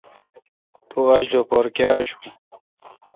تو آج لوپار کاں آشو۔